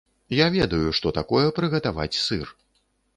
Я ведаю, што такое прыгатаваць сыр.